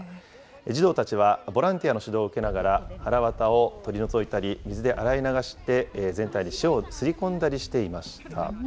児童たちはボランティアの指導を受けながら、はらわたを取り除いたり、水で洗い流して全体に塩をすり込んだりしていました。